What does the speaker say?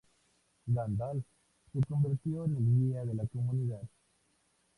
Gandalf se convierte en el guía de la Comunidad.